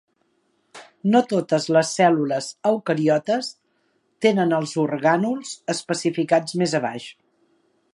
No totes les cèl·lules eucariotes tenen els orgànuls especificats més abaix: